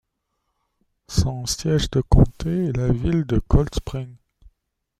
Son siège de comté est la ville de Coldspring.